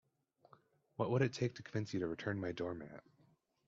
What would it take to convince you to return my doormat?